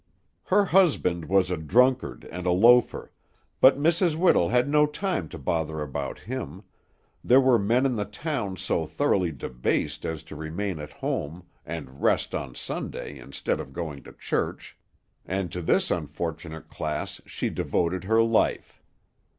Her husband was a drunkard and a loafer, but Mrs. Whittle had no time to bother about him; there were men in the town so thoroughly debased as to remain at home, and rest on Sunday, instead of going to church, and to this unfortunate class she devoted her life.